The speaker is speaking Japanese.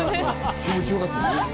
気持ち良かった。